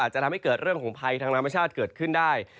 จะทำให้เกิดเรื่องของภัยทางธรรมชาติเกิดขึ้นได้